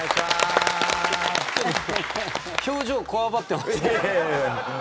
表情こわばってますよ。